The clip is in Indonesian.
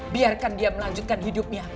biarkan dia melanjutkan hidupnya